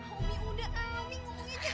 umi udah ah umi ngomong aja